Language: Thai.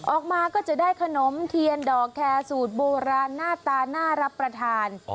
ออกมาก็จะได้ขนมเทียนดอกแคร์สูตรโบราณหน้าตาน่ารับประทาน